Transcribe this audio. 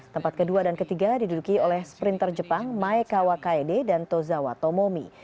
tempat kedua dan ketiga diduduki oleh sprinter jepang maeka wakaede dan tozawa tomomi